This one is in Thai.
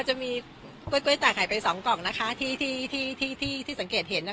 อ๋อก็จะมีก๋วยก๋วยตาขายไปสองกล่องนะคะที่ที่ที่ที่ที่สังเกตเห็นนะคะ